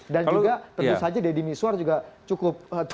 dan juga tentu saja deddy miswar juga cukup turun gitu ya